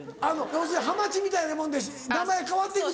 要するにハマチみたいなもんで名前変わって行くと？